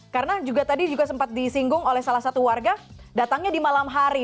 karena juga tadi juga sempat disinggung oleh salah satu warga datangnya di malam hari